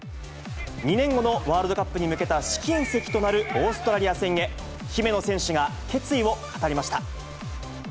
２年後のワールドカップに向けた試金石となるオーストラリア戦へ、姫野選手が決意を語りました。